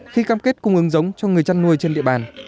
khi cam kết cung ứng giống cho người chăn nuôi trên địa bàn